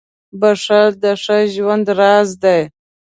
• بښل د ښه ژوند راز دی.